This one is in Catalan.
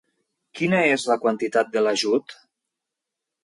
Quina és la quantitat de l'ajut?